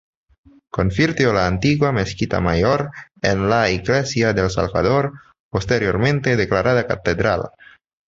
Convirtió la antigua mezquita mayor en la Iglesia del Salvador, posteriormente declarada Catedral.